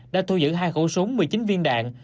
đã thu giữ hai khẩu súng một mươi chín viên đạn